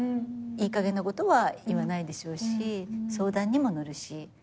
いいかげんなことは言わないでしょうし相談にも乗るし。